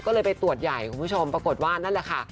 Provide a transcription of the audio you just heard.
ก็เลยไปตรวจใหญ่คุณผู้ชมปรากฏว่านั่นแหละค่ะ